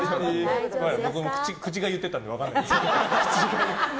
僕の口が言ってたので分からないです。